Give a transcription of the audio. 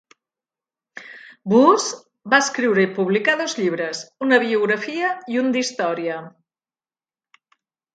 Boece va escriure i publicar dos llibres, una biografia i un d'història.